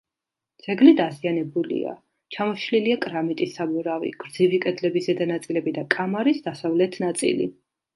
ძეგლი დაზიანებულია: ჩამოშლილია კრამიტის საბურავი, გრძივი კედლების ზედა ნაწილები და კამარის დასავლეთ ნაწილი.